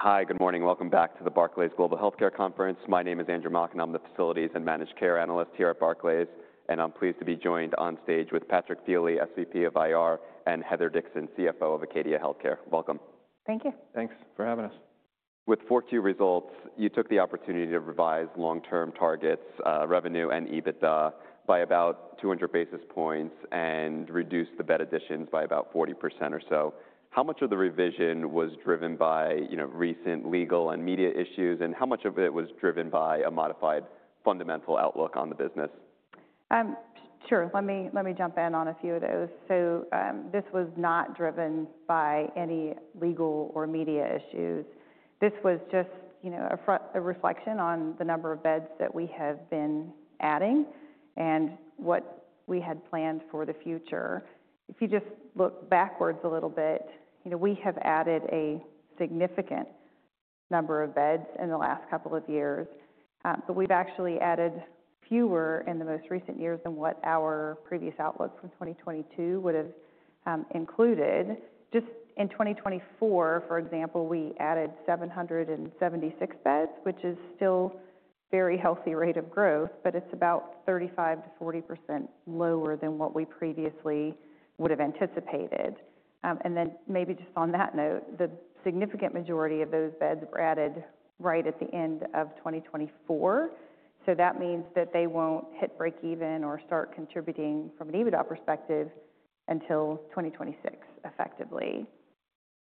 Hi, good morning. Welcome back to the Barclays Global Healthcare Conference. My name is Andrew Mok, and I'm the Facilities and Managed Care Analyst here at Barclays. I'm pleased to be joined on stage with Patrick Feeley, SVP of IR, and Heather Dixon, CFO of Acadia Healthcare. Welcome. Thank you. Thanks for having us. With 4Q results, you took the opportunity to revise long-term targets, revenue, and EBITDA by about 200 basis points and reduce the bed additions by about 40% or so. How much of the revision was driven by recent legal and media issues, and how much of it was driven by a modified fundamental outlook on the business? Sure. Let me jump in on a few of those. This was not driven by any legal or media issues. This was just a reflection on the number of beds that we have been adding and what we had planned for the future. If you just look backwards a little bit, we have added a significant number of beds in the last couple of years. We have actually added fewer in the most recent years than what our previous outlook from 2022 would have included. Just in 2024, for example, we added 776 beds, which is still a very healthy rate of growth, but it is about 35%-40% lower than what we previously would have anticipated. Maybe just on that note, the significant majority of those beds were added right at the end of 2024. That means that they won't hit break-even or start contributing from an EBITDA perspective until 2026 effectively.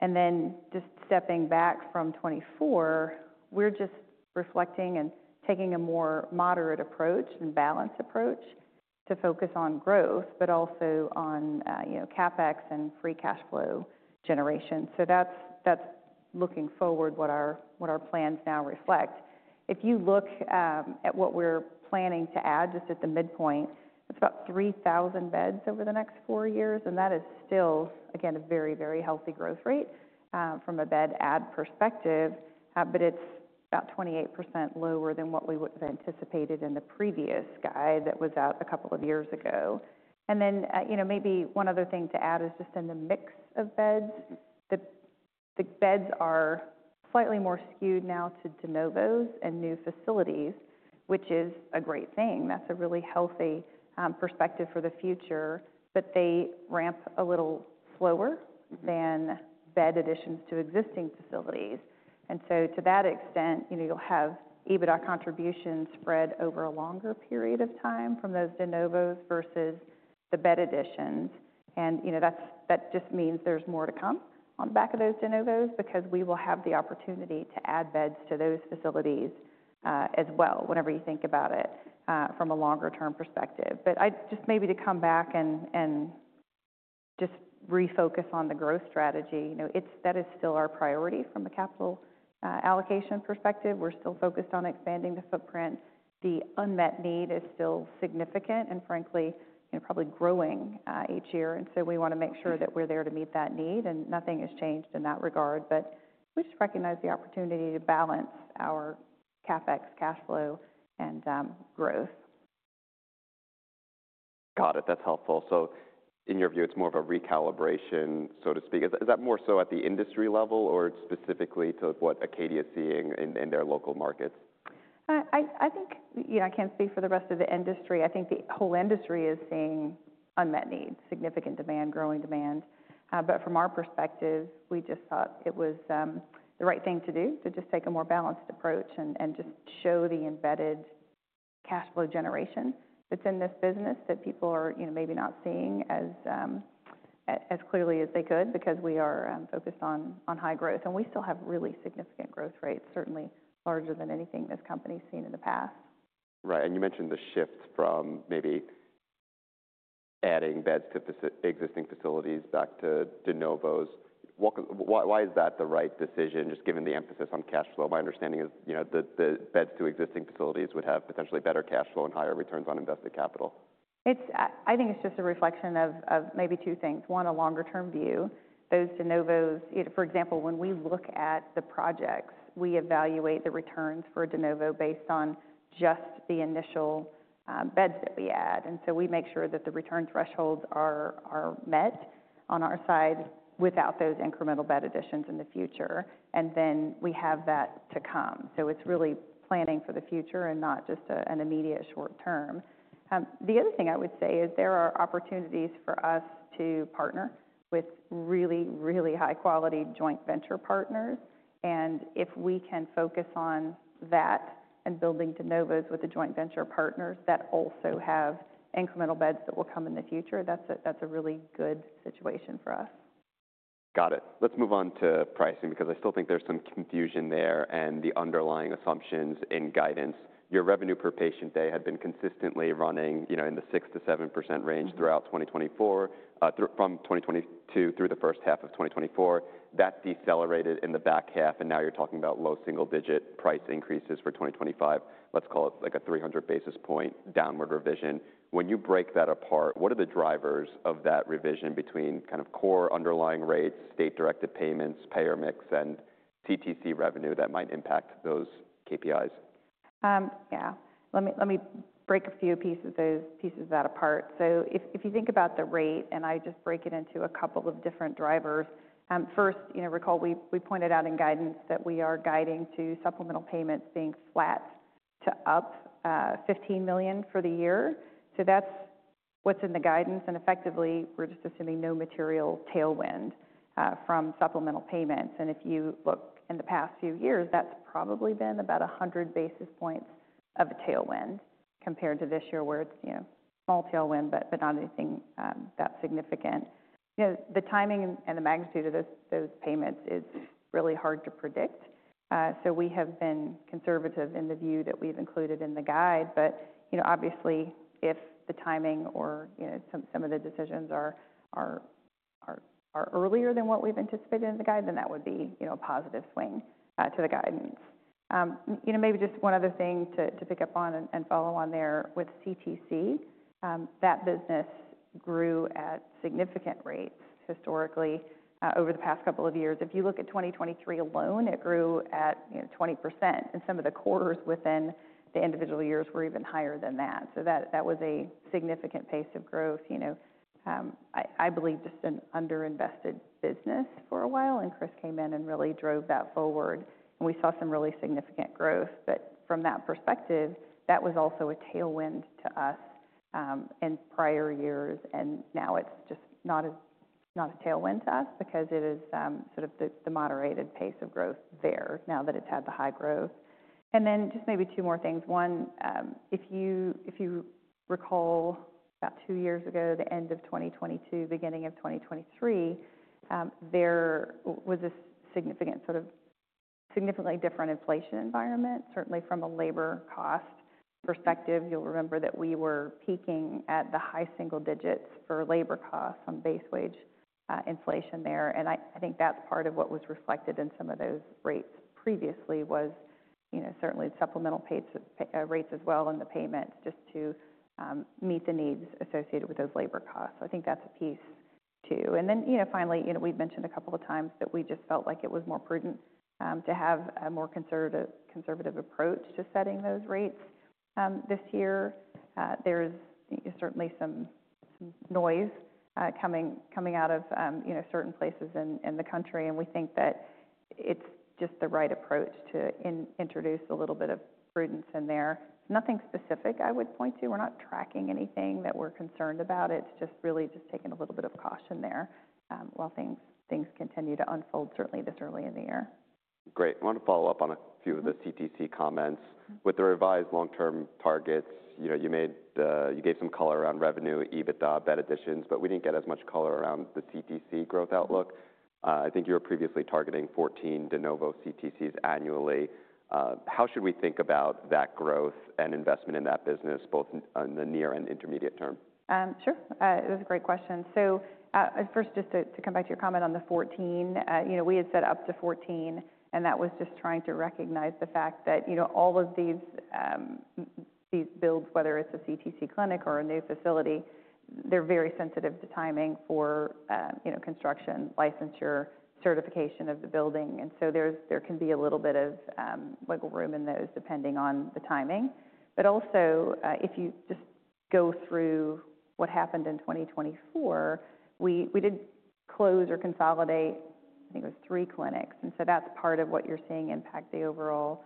Just stepping back from 2024, we're just reflecting and taking a more moderate approach and balanced approach to focus on growth, but also on CapEx and free cash flow generation. That's looking forward what our plans now reflect. If you look at what we're planning to add just at the midpoint, it's about 3,000 beds over the next four years. That is still, again, a very, very healthy growth rate from a bed add perspective, but it's about 28% lower than what we would have anticipated in the previous guide that was out a couple of years ago. Maybe one other thing to add is just in the mix of beds, the beds are slightly more skewed now to de novos and new facilities, which is a great thing. That's a really healthy perspective for the future, but they ramp a little slower than bed additions to existing facilities. To that extent, you'll have EBITDA contributions spread over a longer period of time from those de novos versus the bed additions. That just means there's more to come on the back of those de novos because we will have the opportunity to add beds to those facilities as well, whenever you think about it from a longer-term perspective. Just maybe to come back and just refocus on the growth strategy, that is still our priority from a capital allocation perspective. We're still focused on expanding the footprint. The unmet need is still significant and, frankly, probably growing each year. We want to make sure that we're there to meet that need. Nothing has changed in that regard, but we just recognize the opportunity to balance our CapEx, cash flow, and growth. Got it. That's helpful. In your view, it's more of a recalibration, so to speak. Is that more so at the industry level or specifically to what Acadia is seeing in their local markets? I think I can't speak for the rest of the industry. I think the whole industry is seeing unmet needs, significant demand, growing demand. From our perspective, we just thought it was the right thing to do, to just take a more balanced approach and just show the embedded cash flow generation that's in this business that people are maybe not seeing as clearly as they could because we are focused on high growth. We still have really significant growth rates, certainly larger than anything this company has seen in the past. Right. You mentioned the shift from maybe adding beds to existing facilities back to de novos. Why is that the right decision, just given the emphasis on cash flow? My understanding is the beds to existing facilities would have potentially better cash flow and higher returns on invested capital. I think it's just a reflection of maybe two things. One, a longer-term view. Those de novos, for example, when we look at the projects, we evaluate the returns for a de novo based on just the initial beds that we add. We make sure that the return thresholds are met on our side without those incremental bed additions in the future. We have that to come. It is really planning for the future and not just an immediate short term. The other thing I would say is there are opportunities for us to partner with really, really high-quality joint venture partners. If we can focus on that and building de novos with the joint venture partners that also have incremental beds that will come in the future, that's a really good situation for us. Got it. Let's move on to pricing because I still think there's some confusion there and the underlying assumptions in guidance. Your revenue per patient day had been consistently running in the 6%-7% range throughout 2024, from 2022 through the first half of 2024. That decelerated in the back half, and now you're talking about low single-digit price increases for 2025. Let's call it like a 300 basis point downward revision. When you break that apart, what are the drivers of that revision between kind of core underlying rates, state-directed payments, payer mix, and CTC revenue that might impact those KPIs? Yeah. Let me break a few pieces of that apart. If you think about the rate, and I just break it into a couple of different drivers. First, recall we pointed out in guidance that we are guiding to supplemental payments being flat to up $15 million for the year. That is what is in the guidance. Effectively, we are just assuming no material tailwind from supplemental payments. If you look in the past few years, that has probably been about 100 basis points of a tailwind compared to this year where it is a small tailwind, but not anything that significant. The timing and the magnitude of those payments is really hard to predict. We have been conservative in the view that we have included in the guide. Obviously, if the timing or some of the decisions are earlier than what we've anticipated in the guide, then that would be a positive swing to the guidance. Maybe just one other thing to pick up on and follow on there with CTC. That business grew at significant rates historically over the past couple of years. If you look at 2023 alone, it grew at 20%. Some of the quarters within the individual years were even higher than that. That was a significant pace of growth. I believe just an underinvested business for a while. Chris came in and really drove that forward. We saw some really significant growth. From that perspective, that was also a tailwind to us in prior years. It is just not a tailwind to us because it is sort of the moderated pace of growth there now that it has had the high growth. Maybe two more things. One, if you recall about two years ago, the end of 2022, beginning of 2023, there was a significant sort of significantly different inflation environment, certainly from a labor cost perspective. You will remember that we were peaking at the high single digits for labor costs on base wage inflation there. I think that is part of what was reflected in some of those rates previously, was certainly supplemental rates as well and the payments just to meet the needs associated with those labor costs. I think that is a piece too. Finally, we've mentioned a couple of times that we just felt like it was more prudent to have a more conservative approach to setting those rates this year. There's certainly some noise coming out of certain places in the country. We think that it's just the right approach to introduce a little bit of prudence in there. It's nothing specific I would point to. We're not tracking anything that we're concerned about. It's just really just taking a little bit of caution there while things continue to unfold certainly this early in the year. Great. I want to follow up on a few of the CTC comments. With the revised long-term targets, you gave some color around revenue, EBITDA, bed additions, but we did not get as much color around the CTC growth outlook. I think you were previously targeting 14 de novo CTCs annually. How should we think about that growth and investment in that business both in the near and intermediate term? Sure. That's a great question. First, just to come back to your comment on the 14, we had set up to 14, and that was just trying to recognize the fact that all of these builds, whether it's a CTC clinic or a new facility, they're very sensitive to timing for construction, licensure, certification of the building. There can be a little bit of wiggle room in those depending on the timing. Also, if you just go through what happened in 2024, we didn't close or consolidate. I think it was three clinics. That's part of what you're seeing impact the overall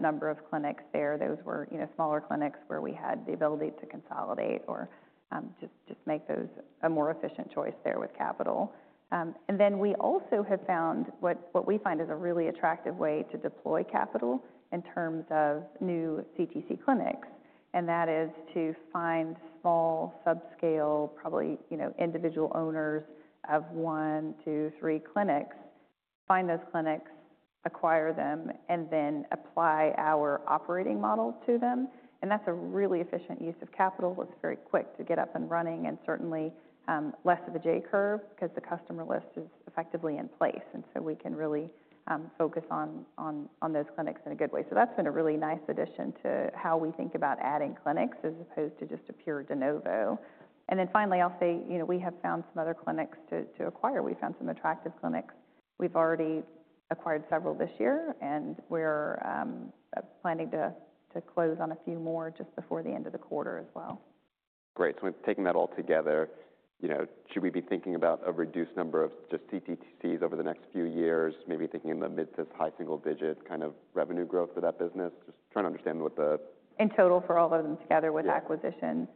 number of clinics there. Those were smaller clinics where we had the ability to consolidate or just make those a more efficient choice there with capital. We also have found what we find is a really attractive way to deploy capital in terms of new CTC clinics. That is to find small subscale, probably individual owners of one, two, three clinics, find those clinics, acquire them, and then apply our operating model to them. That is a really efficient use of capital. It is very quick to get up and running and certainly less of a J-curve because the customer list is effectively in place. We can really focus on those clinics in a good way. That has been a really nice addition to how we think about adding clinics as opposed to just a pure de novo. Finally, I'll say we have found some other clinics to acquire. We found some attractive clinics. We've already acquired several this year, and we're planning to close on a few more just before the end of the quarter as well. Great. Taking that all together, should we be thinking about a reduced number of just CTCs over the next few years, maybe thinking in the mid to high single digit kind of revenue growth for that business? Just trying to understand what the- In total for all of them together with acquisitions.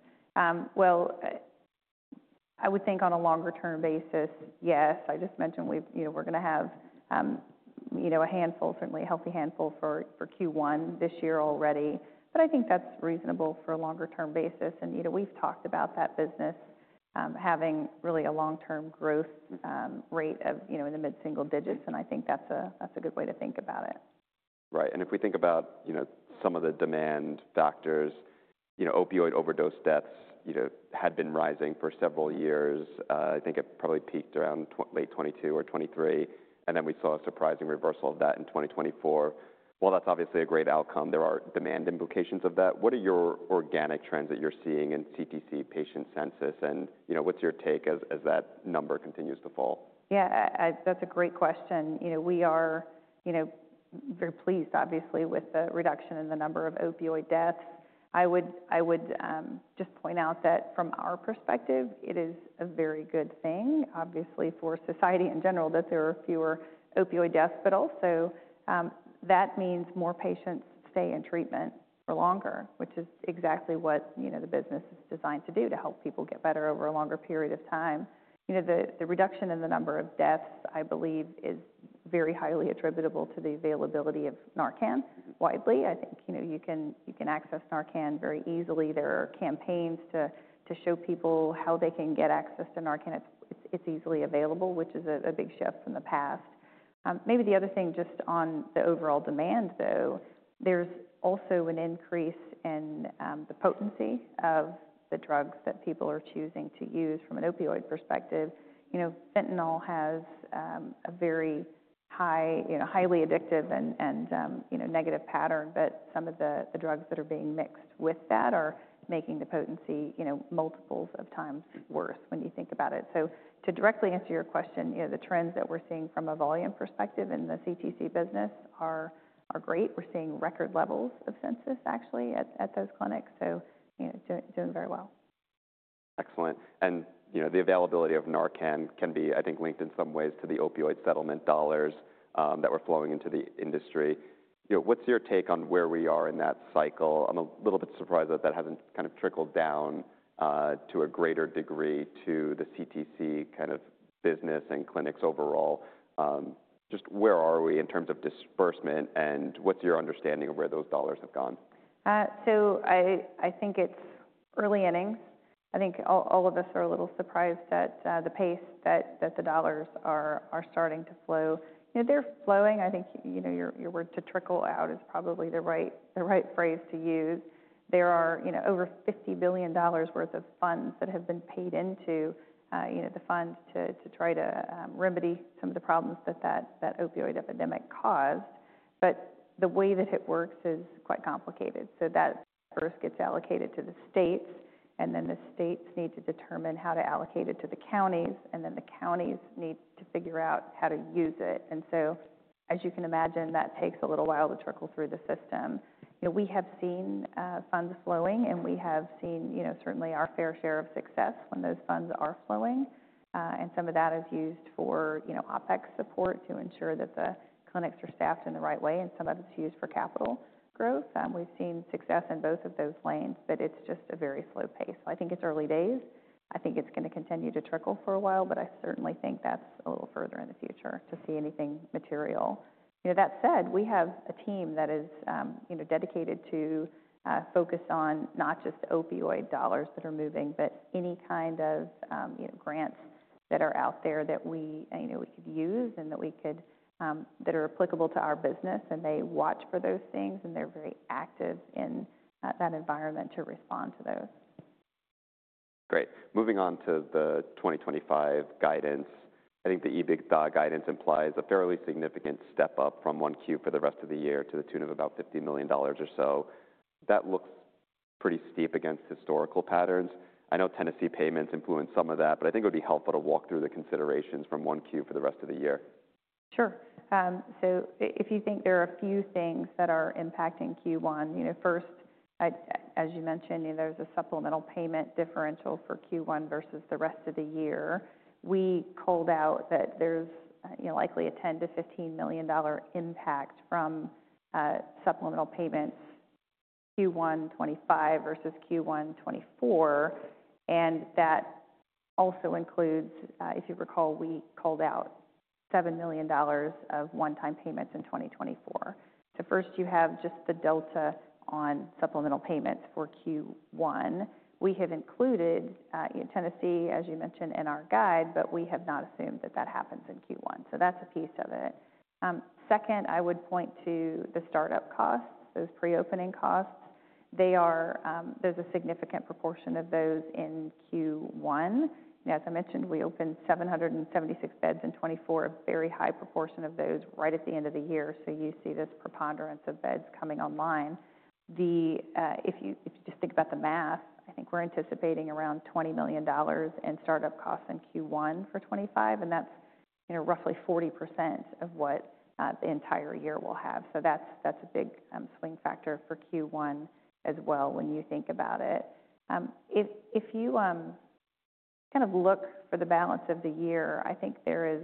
I would think on a longer-term basis, yes. I just mentioned we're going to have a handful, certainly a healthy handful for Q1 this year already. I think that's reasonable for a longer-term basis. We've talked about that business having really a long-term growth rate in the mid-single digits. I think that's a good way to think about it. Right. If we think about some of the demand factors, opioid overdose deaths had been rising for several years. I think it probably peaked around late 2022 or 2023. We saw a surprising reversal of that in 2024. While that is obviously a great outcome, there are demand implications of that. What are your organic trends that you are seeing in CTC patient census? What is your take as that number continues to fall? Yeah, that's a great question. We are very pleased, obviously, with the reduction in the number of opioid deaths. I would just point out that from our perspective, it is a very good thing, obviously, for society in general that there are fewer opioid deaths. Also, that means more patients stay in treatment for longer, which is exactly what the business is designed to do, to help people get better over a longer period of time. The reduction in the number of deaths, I believe, is very highly attributable to the availability of Narcan widely. I think you can access Narcan very easily. There are campaigns to show people how they can get access to Narcan. It's easily available, which is a big shift from the past. Maybe the other thing just on the overall demand, though, there's also an increase in the potency of the drugs that people are choosing to use from an opioid perspective. Fentanyl has a very highly addictive and negative pattern, but some of the drugs that are being mixed with that are making the potency multiples of times worse when you think about it. To directly answer your question, the trends that we're seeing from a volume perspective in the CTC business are great. We're seeing record levels of census, actually, at those clinics. Doing very well. Excellent. The availability of Narcan can be, I think, linked in some ways to the opioid settlement dollars that were flowing into the industry. What's your take on where we are in that cycle? I'm a little bit surprised that that hasn't kind of trickled down to a greater degree to the CTC kind of business and clinics overall. Just where are we in terms of disbursement and what's your understanding of where those dollars have gone? I think it's early innings. I think all of us are a little surprised at the pace that the dollars are starting to flow. They're flowing. I think your word, to trickle out, is probably the right phrase to use. There are over $50 billion worth of funds that have been paid into the fund to try to remedy some of the problems that that opioid epidemic caused. The way that it works is quite complicated. That first gets allocated to the states, and then the states need to determine how to allocate it to the counties, and then the counties need to figure out how to use it. As you can imagine, that takes a little while to trickle through the system. We have seen funds flowing, and we have seen certainly our fair share of success when those funds are flowing. Some of that is used for OpEx support to ensure that the clinics are staffed in the right way. Some of it is used for capital growth. We have seen success in both of those lanes, but it is just a very slow pace. I think it is early days. I think it is going to continue to trickle for a while, but I certainly think that is a little further in the future to see anything material. That said, we have a team that is dedicated to focus on not just opioid dollars that are moving, but any kind of grants that are out there that we could use and that are applicable to our business. They watch for those things, and they are very active in that environment to respond to those. Great. Moving on to the 2025 guidance. I think the EBITDA guidance implies a fairly significant step up from 1Q for the rest of the year to the tune of about $50 million or so. That looks pretty steep against historical patterns. I know Tennessee payments influence some of that, but I think it would be helpful to walk through the considerations from 1Q for the rest of the year. Sure. If you think there are a few things that are impacting Q1, first, as you mentioned, there's a supplemental payment differential for Q1 versus the rest of the year. We called out that there's likely a $10 million-$15 million impact from supplemental payments Q1 2025 versus Q1 2024. That also includes, if you recall, we called out $7 million of one-time payments in 2024. First, you have just the delta on supplemental payments for Q1. We have included Tennessee, as you mentioned, in our guide, but we have not assumed that that happens in Q1. That's a piece of it. Second, I would point to the startup costs, those pre-opening costs. There's a significant proportion of those in Q1. As I mentioned, we opened 776 beds in 2024, a very high proportion of those right at the end of the year. You see this preponderance of beds coming online. If you just think about the math, I think we're anticipating around $20 million in startup costs in Q1 for 2025. That's roughly 40% of what the entire year will have. That's a big swing factor for Q1 as well when you think about it. If you kind of look for the balance of the year, I think there is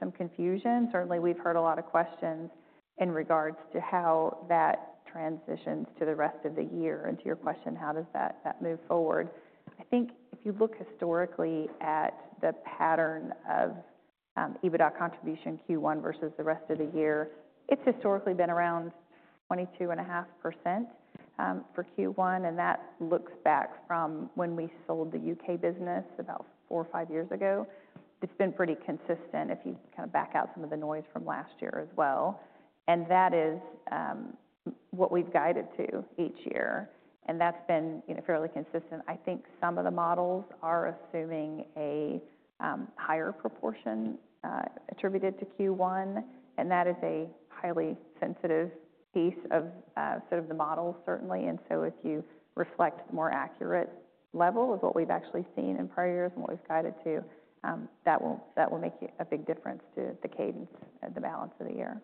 some confusion. Certainly, we've heard a lot of questions in regards to how that transitions to the rest of the year. To your question, how does that move forward? I think if you look historically at the pattern of EBITDA contribution Q1 versus the rest of the year, it's historically been around 22.5% for Q1. That looks back from when we sold the U.K. business about four or five years ago. It's been pretty consistent if you kind of back out some of the noise from last year as well. That is what we've guided to each year. That's been fairly consistent. I think some of the models are assuming a higher proportion attributed to Q1. That is a highly sensitive piece of sort of the model, certainly. If you reflect the more accurate level of what we've actually seen in prior years and what we've guided to, that will make a big difference to the cadence, the balance of the year.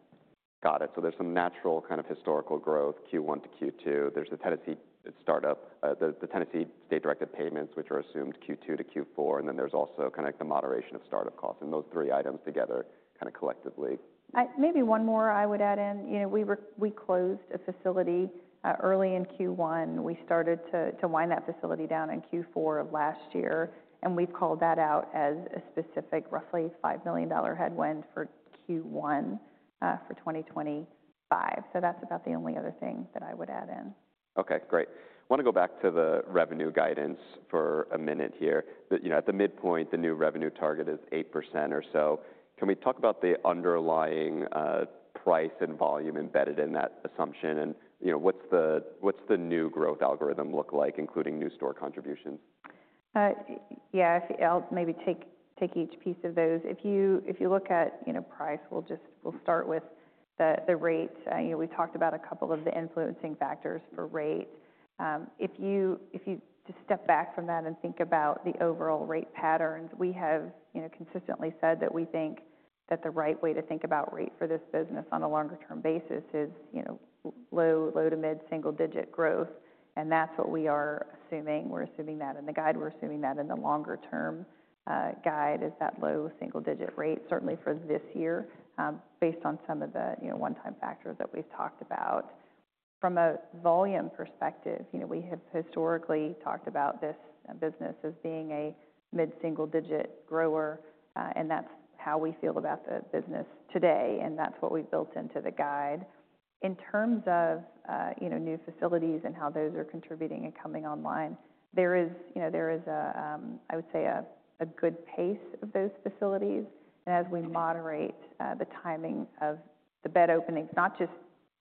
Got it. There is some natural kind of historical growth Q1 to Q2. There are the Tennessee state-directed payments, which are assumed Q2 to Q4. There is also kind of the moderation of startup costs. Those three items together kind of collectively. Maybe one more I would add in. We closed a facility early in Q1. We started to wind that facility down in Q4 of last year. We have called that out as a specific roughly $5 million headwind for Q1 for 2025. That is about the only other thing that I would add in. Okay, great. I want to go back to the revenue guidance for a minute here. At the midpoint, the new revenue target is 8% or so. Can we talk about the underlying price and volume embedded in that assumption? What does the new growth algorithm look like, including new store contributions? Yeah, I'll maybe take each piece of those. If you look at price, we'll start with the rate. We talked about a couple of the influencing factors for rate. If you just step back from that and think about the overall rate patterns, we have consistently said that we think that the right way to think about rate for this business on a longer-term basis is low, low to mid-single-digit growth. That is what we are assuming. We are assuming that in the guide. We are assuming that in the longer-term guide is that low single-digit rate, certainly for this year, based on some of the one-time factors that we've talked about. From a volume perspective, we have historically talked about this business as being a mid-single-digit grower. That is how we feel about the business today. That is what we've built into the guide. In terms of new facilities and how those are contributing and coming online, there is, I would say, a good pace of those facilities. As we moderate the timing of the bed openings, not just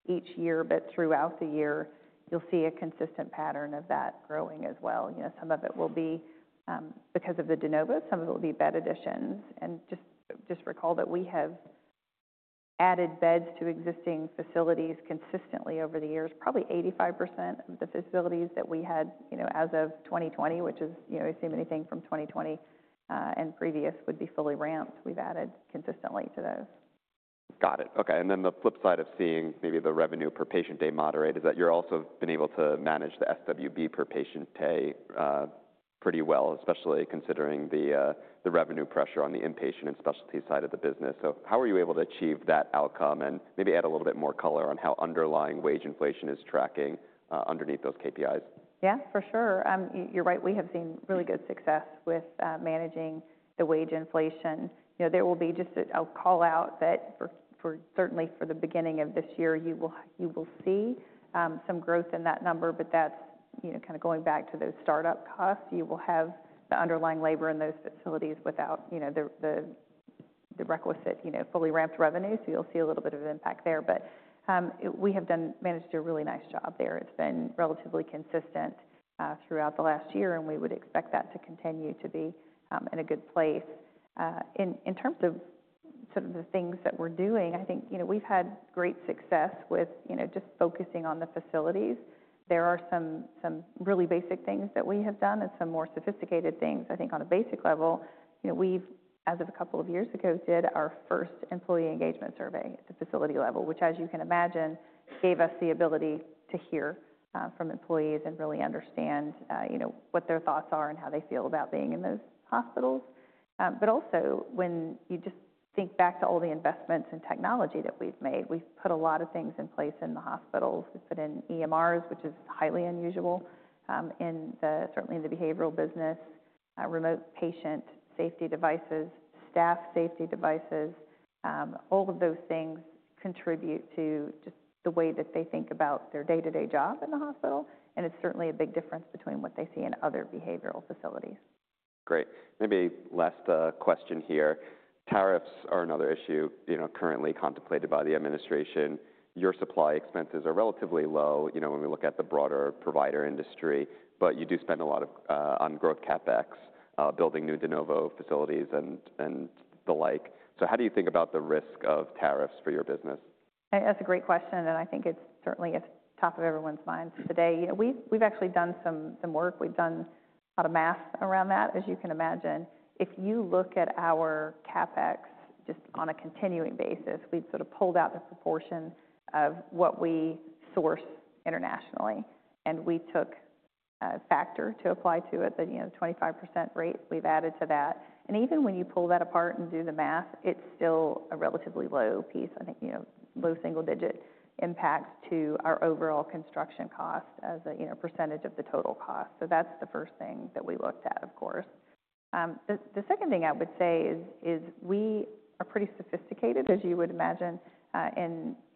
each year, but throughout the year, you'll see a consistent pattern of that growing as well. Some of it will be because of the de novo. Some of it will be bed additions. Just recall that we have added beds to existing facilities consistently over the years. Probably 85% of the facilities that we had as of 2020, which is assuming anything from 2020 and previous would be fully ramped, we've added consistently to those. Got it. Okay. The flip side of seeing maybe the revenue per patient day moderate is that you've also been able to manage the SWB per patient day pretty well, especially considering the revenue pressure on the inpatient and specialty side of the business. How are you able to achieve that outcome and maybe add a little bit more color on how underlying wage inflation is tracking underneath those KPIs? Yeah, for sure. You're right. We have seen really good success with managing the wage inflation. There will be just a call out that certainly for the beginning of this year, you will see some growth in that number. That's kind of going back to those startup costs. You will have the underlying labor in those facilities without the requisite fully ramped revenue. You will see a little bit of impact there. We have managed to do a really nice job there. It's been relatively consistent throughout the last year. We would expect that to continue to be in a good place. In terms of sort of the things that we're doing, I think we've had great success with just focusing on the facilities. There are some really basic things that we have done and some more sophisticated things. I think on a basic level, we've, as of a couple of years ago, did our first employee engagement survey at the facility level, which, as you can imagine, gave us the ability to hear from employees and really understand what their thoughts are and how they feel about being in those hospitals. Also, when you just think back to all the investments and technology that we've made, we've put a lot of things in place in the hospitals. We've put in EMRs, which is highly unusual in certainly the behavioral business, remote patient safety devices, staff safety devices. All of those things contribute to just the way that they think about their day-to-day job in the hospital. It's certainly a big difference between what they see in other behavioral facilities. Great. Maybe last question here. Tariffs are another issue currently contemplated by the administration. Your supply expenses are relatively low when we look at the broader provider industry, but you do spend a lot on growth CapEx, building new de novo facilities and the like. How do you think about the risk of tariffs for your business? That's a great question. I think it's certainly at the top of everyone's minds today. We've actually done some work. We've done a lot of math around that, as you can imagine. If you look at our CapEx just on a continuing basis, we've sort of pulled out the proportion of what we source internationally. We took a factor to apply to it, the 25% rate we've added to that. Even when you pull that apart and do the math, it's still a relatively low piece, I think low single-digit impacts to our overall construction cost as a percentage of the total cost. That's the first thing that we looked at, of course. The second thing I would say is we are pretty sophisticated, as you would imagine,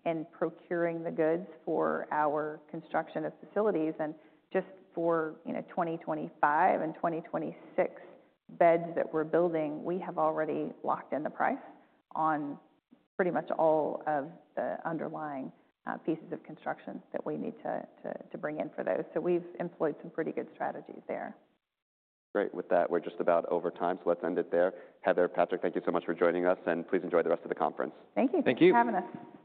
in procuring the goods for our construction of facilities. For 2025 and 2026 beds that we're building, we have already locked in the price on pretty much all of the underlying pieces of construction that we need to bring in for those. We have employed some pretty good strategies there. Great. With that, we're just about over time. Let's end it there. Heather, Patrick, thank you so much for joining us. Please enjoy the rest of the conference. Thank you. Thank you. For having us.